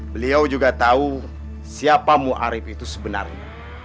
beliau juga tahu siapa muarif itu sebenarnya